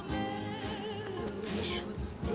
よいしょ。